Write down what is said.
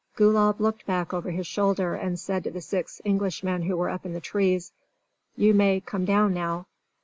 Gulab looked back over his shoulder, and said to the six Englishmen who were up in the trees: "You may come down now.